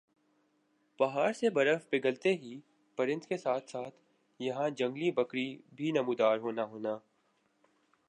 پہاڑ پر سے برف پگھلتے ہی پرند کا ساتھ ساتھ یَہاں جنگلی بکری بھی نمودار ہونا ہونا